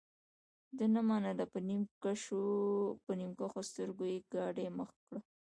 ده نه منله په نیم کښو سترګو یې ګاډۍ مخ کړه.